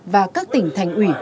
và các tỉnh thành ủy